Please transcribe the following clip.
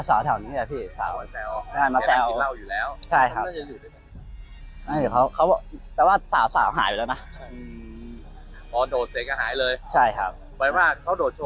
นะฮะแล้วเขากลัวสาวไม่เชื่อ